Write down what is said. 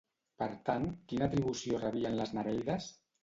Per tant, quina atribució rebien les nereides?